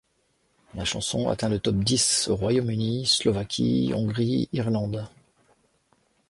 La chanson atteint le top dix au Royaume-Uni, Slovaquie, Hongrie, Irlande.